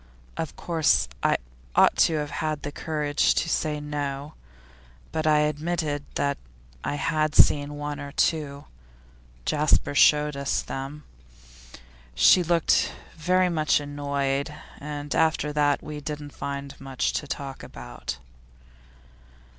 Of course I ought to have had the courage to say no, but I admitted that I had seen one or two Jasper showed us them. She looked very much annoyed, and after that we didn't find much to talk about.